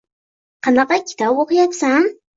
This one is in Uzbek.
Qanaqa kitob oʻqiyapsan?